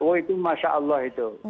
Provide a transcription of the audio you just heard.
oh itu masya allah itu